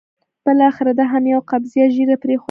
بالاخره ده هم یوه قبضه ږیره پرېښوده.